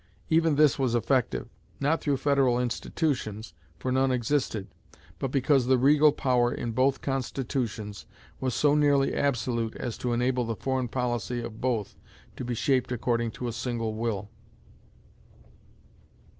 Even this was effective, not through federal institutions, for none existed, but because the regal power in both Constitutions was so nearly absolute as to enable the foreign policy of both to be shaped according to a single will.